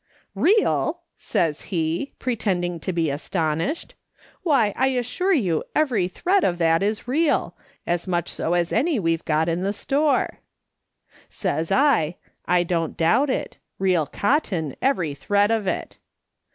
"' Real!' says he, pretending to be astonished, 'why, I assure you every thread of that is real ; as much so as any we've got in the store.' " Says I : 'I don't doubt it ; real cotton, every thread of it.'